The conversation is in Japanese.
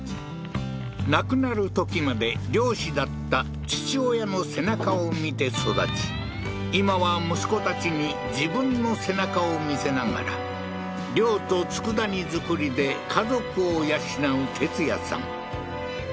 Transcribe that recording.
亡くなるときまで漁師だった父親の背中を見て育ち今は息子たちに自分の背中を見せながら漁と佃煮作りで家族を養う哲也さん